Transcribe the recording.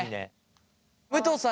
武藤さん